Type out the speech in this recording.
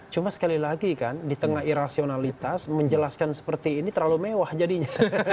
cuma sekali lagi kan di tengah irasionalitas menjelaskan seperti ini terlalu mewah jadinya